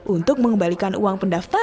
untuk mengembalikan uang pendaftaran